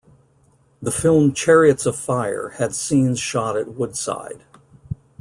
The film "Chariots of Fire" had scenes shot at Woodside.